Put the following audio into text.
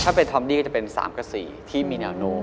ถ้าเป็นทอมดี้ก็จะเป็น๓กับ๔ที่มีแนวโน้ม